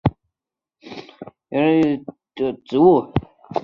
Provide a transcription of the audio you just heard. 圆叶弓果藤是夹竹桃科弓果藤属的植物。